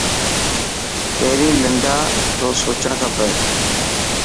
پهرين ننڍان رو سوچڻ کپي.